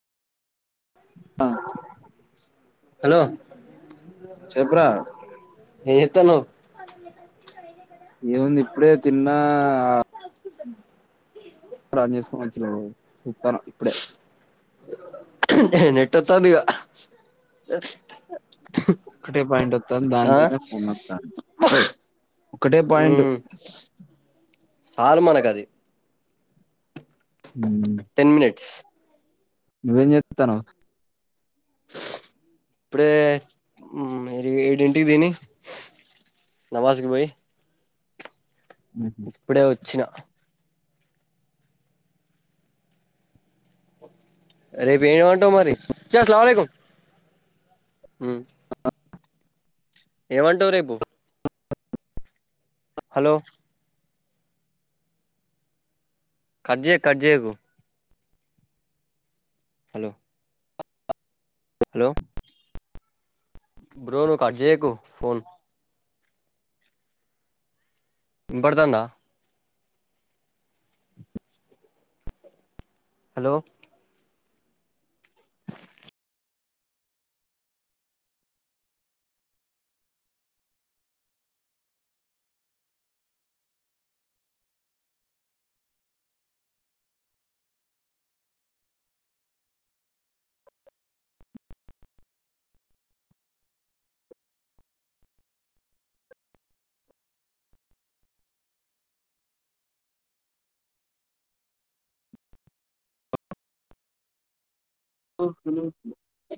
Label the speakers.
Speaker 1: ఆ
Speaker 2: హలో
Speaker 1: చెప్పురా
Speaker 2: చె ఏ చేతనవ్
Speaker 1: ఏముంది ఇప్పుడే తిన్న
Speaker 2: అ
Speaker 1: ఆన్ చేసుకొని వచ్చనవ్. చెస్తాను ఇప్పుడే.
Speaker 2: నెట్ ఒత్తాందిగా
Speaker 1: ఒకటే పాయింట్ వత్తాంది, దాని
Speaker 2: ఆ
Speaker 1: మీద ఫోన్ అత్తంది, ఒకటే పాయింట్.
Speaker 2: మ్మ్ చాలు మనకు అది
Speaker 1: ఉమ్,
Speaker 2: టెన్ మనిట్స్
Speaker 1: నువ్వేం చేత్తనవ్
Speaker 2: ఇప్పుడే మ ఏడంటికి తిని నవాజ్కి పోయి
Speaker 1: చేస్తాను
Speaker 2: ఇప్పుడేచ్ వచ్చిన రేపు ఏమిమంటవు మరి, చ సలంవాలేకుం ఉమ్ ఏమంటావు రేపు హలో కడ్జే కడ్జేయకు హలో హలో బ్రోను కట్జేయకు ఫోన్ వినపడతాందా? హలో
Speaker 1: ఆ హలో